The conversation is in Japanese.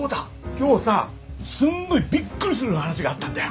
今日さすんごいびっくりする話があったんだよ！